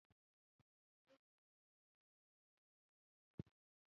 پیلوټ د مینې، زړورت